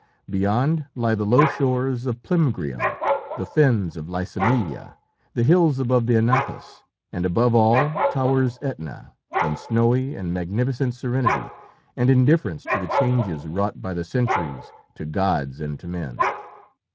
Beyond lie the low shores of Plemmgrium, the fens of Lysimeleia, the hills above the Anapus, and above all towers Etna, in snowy and magnificent serenity and indifference to the changes wrought by the centuries to gods and to men.